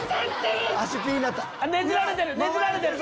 ねじられてる！